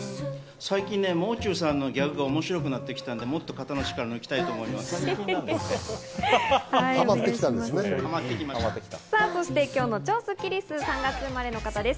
最近、もう中さんのギャグが面白くなったので、もうちょっと肩の力抜きたいと思います。